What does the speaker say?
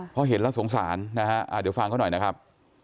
เพราะเห็นแล้วสงสารนะฮะเดี๋ยวฟังเขาหน่อยนะครับ